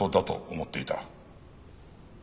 「思っていた」？